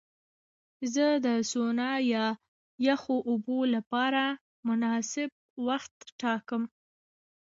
زه د سونا یا یخو اوبو لپاره مناسب وخت ټاکم.